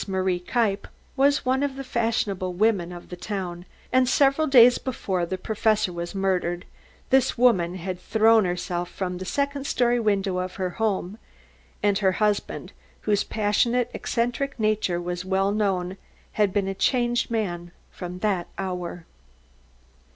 Marie Kniepp was one of the fashionable women of the town, and several days before the Professor was murdered, this woman had thrown herself from the second story window of her home, and her husband, whose passionate eccentric nature was well known, had been a changed man from that hour.